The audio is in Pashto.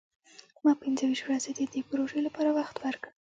ما پنځه ویشت ورځې د دې پروژې لپاره وخت ورکړ.